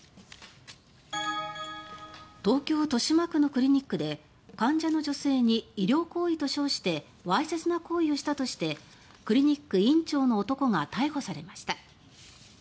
東京・豊島区のクリニックで患者の女性に医療行為と称してわいせつな行為をしたとしてクリニック院長の男が逮捕されました。